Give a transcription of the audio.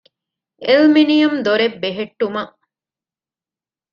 އެލްމިނިއަމް ދޮރެއް ބެހެއްޓުމަށް